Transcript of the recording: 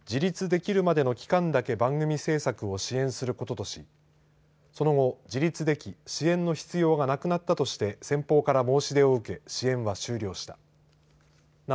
自立できるまでの期間だけ番組制作を支援することとしその後、自立でき支援の必要がなくなったとして先方から申し出を受け支援は終了した。